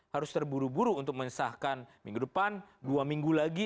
harus terburu buru untuk mensahkan minggu depan dua minggu lagi